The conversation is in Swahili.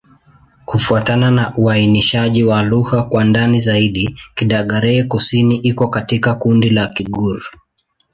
Kufuatana na uainishaji wa lugha kwa ndani zaidi, Kidagaare-Kusini iko katika kundi la Kigur.